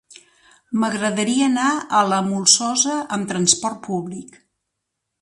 M'agradaria anar a la Molsosa amb trasport públic.